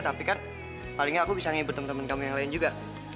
tapi kan paling nggak aku bisa ngibur teman teman kamu yang lain juga